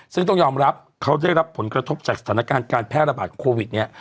ซึ่งต้องยอมรับเขาได้รับผลกระทบจากสถานการณ์การแพร่ระบาดโควิดเนี่ย